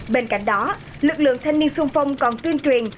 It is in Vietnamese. bên cạnh đó lực lượng thanh niên sung phong còn tuyên truyền